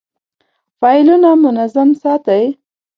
فایلونه منظم ساتئ؟